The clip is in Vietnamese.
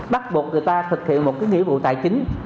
bắt buộc người ta thực hiện một nghĩa vụ tài chính